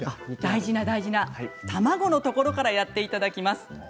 大事な卵のところからやっていただきます。